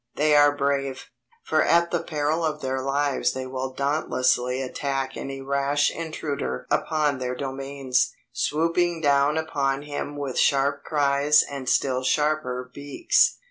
They are brave; for at the peril of their lives they will dauntlessly attack any rash intruder upon their domains, swooping down upon him with sharp cries and still sharper beaks.